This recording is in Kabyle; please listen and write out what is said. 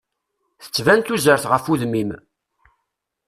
Tettban tuzert ɣef udem-im.